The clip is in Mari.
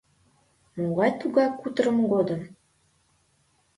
— Могай-тугай кутырымо годым?!